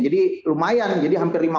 jadi lumayan jadi hampir lima puluh persen